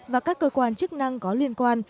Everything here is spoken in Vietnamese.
và các cơ quan chức năng có liên quan